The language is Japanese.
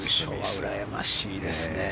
うらやましいですね。